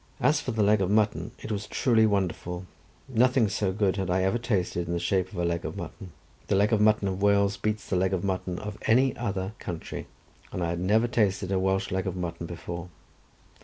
As for the leg of mutton, it was truly wonderful; nothing so good had I ever tasted in the shape of a leg of mutton. The leg of mutton of Wales beats the leg of mutton of any other country, and I had never tasted a Welsh leg of mutton before.